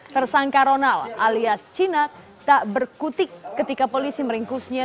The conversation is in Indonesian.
tersangka ronald alias cina tak berkutik ketika polisi meringkusnya